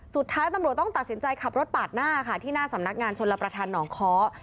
สุดท้ายตำรวจต้องตัดสินใจขับรถปาดหน้าค่ะที่หน้าสำนักงานชนรับประทานหนองค้อ